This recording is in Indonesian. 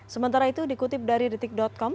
sementara itu dikutip dari detik com